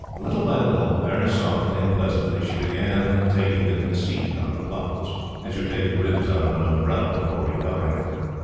Little by little, very softly and pleasantly, she began taking the conceit out of Pluffles, as you take the ribs out of an umbrella before re covering it.